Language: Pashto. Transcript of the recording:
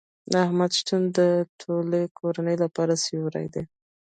د احمد شتون د ټولې کورنۍ لپاره سیوری دی.